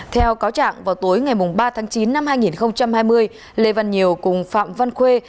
theo cáo trạng vào tối ngày ba tháng chín năm hai nghìn hai mươi lê văn nhiều cùng phạm văn khuê